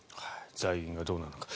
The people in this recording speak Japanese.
財源がどうなのか。